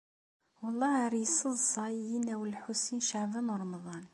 Wellah ar yesseḍsay yinaw n Lḥusin n Caɛban u Ṛemḍan.